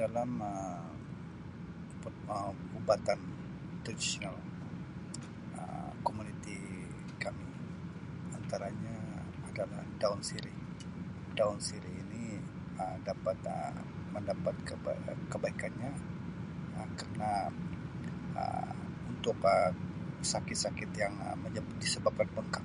Dalam Um per-ubatan traditional Um komuniti kami antaranya adalah daun sireh. Daun sireh ini Um dapat Um mendapat keba-kebaikannya Um kerna Um untuk sakit-sakit yang disebabkan bengkak.